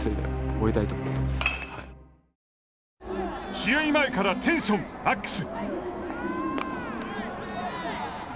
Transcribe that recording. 試合前からテンションマックス！